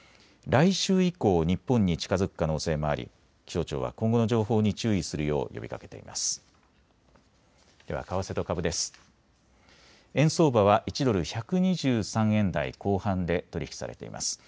来週以降、日本に近づく可能性もあり気象庁は今後の情報に注意するよう呼びかけています。